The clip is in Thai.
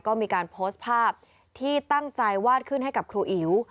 ก็มีการโพสต์ภาพที่ตั้งใจวาดขึ้นให้กับครูอิ๋ว